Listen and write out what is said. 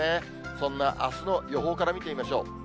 そんなあすの予報から見てみましょう。